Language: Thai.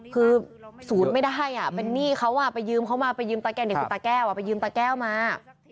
คือสูญไม่ได้เป็นหนี้เขาไปยืมเขามาไปยืมตาแก้วมา